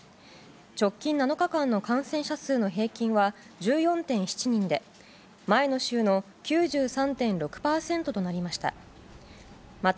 直近７日間の感染者数の平均は１４．７人で前の週の９３．６％となりました。